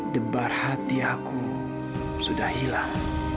debar hati aku sudah hilang